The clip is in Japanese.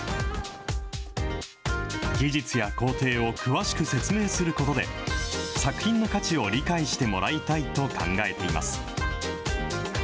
技術や工程を詳しく説明することで、作品の価値を理解してもらいたいと考えています。